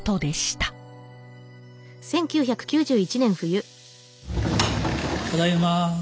ただいま。